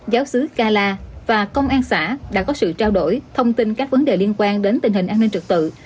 giáo sứ gala và công an xã đã có sự trao đổi thông tin các vấn đề liên quan đến tình hình an ninh trực tự